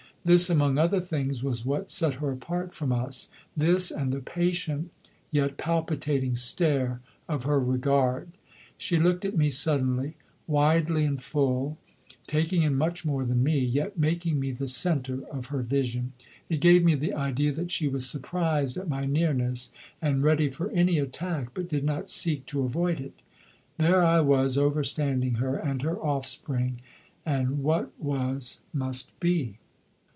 This, among other things, was what set her apart from us, this and the patient yet palpitating stare of her regard. She looked at me suddenly, widely and full, taking in much more than me, yet making me the centre of her vision. It gave me the idea that she was surprised at my nearness and ready for any attack, but did not seek to avoid it. There I was overstanding her and her offspring; and what was must be.